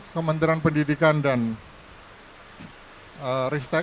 kementerian pendidikan dan ristek